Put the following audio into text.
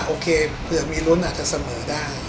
โอเคเผื่อมีลุ้นอาจจะเสมอได้